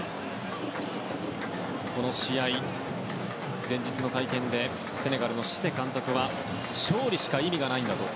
この試合、前日の会見でセネガルのシセ監督は勝利しか意味がないんだと。